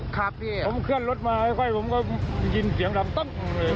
ครับพี่ผมเคลื่อนรถมาค่อยผมก็ยินเสียงลำตั้มเลย